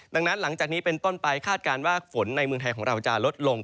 ดังนั้นหลังจากนี้เป็นต้นไปคาดการณ์ว่าฝนในเมืองไทยของเราจะลดลง